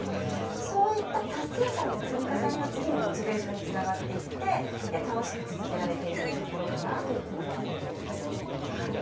そういった達成感の積み重ねが次のモチベーションにつながっていって楽しく続けられているところかなと思っています。